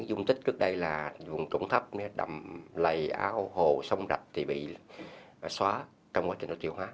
ún tích trước đây là vùng tủng thấp đầm lầy áo hồ sông rạch thì bị xóa trong quá trình nó triều hóa